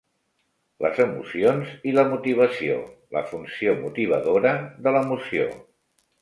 Les emocions i la motivació; la funció motivadora de l'emoció